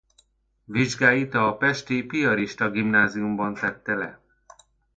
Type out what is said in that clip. Vizsgáit a pesti Piarista gimnáziumban tette le.